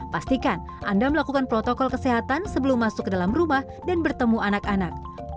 pastikan anda melakukan protokol kesehatan sebelum masuk ke dalam rumah dan bertemu anak anak